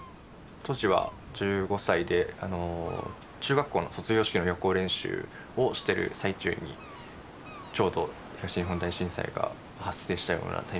当時は１５歳で中学校の卒業式の予行練習をしてる最中にちょうど東日本大震災が発生したようなタイミングで。